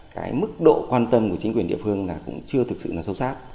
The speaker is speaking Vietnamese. cái mức độ quan tâm của chính quyền địa phương là cũng chưa thực sự là sâu sát